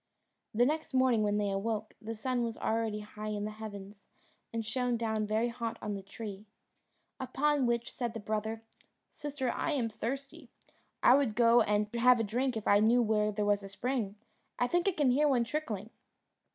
The next morning, when they awoke, the sun was already high in the heavens, and shone down very hot on the tree. Upon which said the brother, "Sister, I am thirsty; I would go and have a drink if I knew where there was a spring: I think I can hear one trickling."